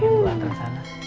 pengen gue antren sana